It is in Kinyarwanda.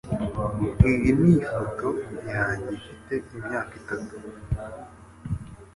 Iyi ni ifoto yanjye mfite imyaka itatu.